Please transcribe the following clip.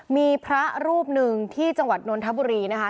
มีพระรูปหนึ่งที่จังหวัดนนทบุรีนะคะ